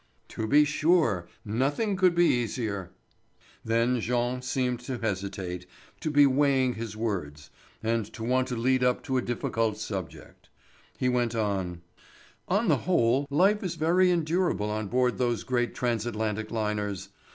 "To be sure; nothing could be easier." Then Jean seemed to hesitate, to be weighing his words, and to want to lead up to a difficult subject. He went on: "On the whole, life is very endurable on board those great Transatlantic liners.